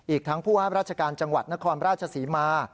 อีกทั้งผู้ห้ามราชกรรมนครราชสีมา